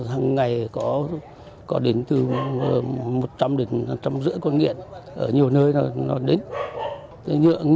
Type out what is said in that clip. hằng ngày có đến từ một trăm linh đến một trăm năm mươi con nghiện ở nhiều nơi nó đến